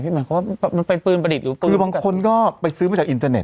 เพราะมันเป็นปืนประดิษฐ์หรือปืนคือบางคนก็ไปซื้อไม่จากอินเทอร์เน็ต